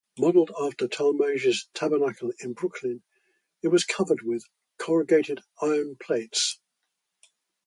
Modeled after Talmage's Tabernacle in Brooklyn, it was covered with corrugated iron plates.